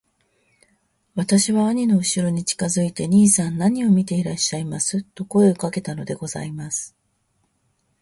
私は兄のうしろに近づいて『兄さん何を見ていらっしゃいます』と声をかけたのでございます。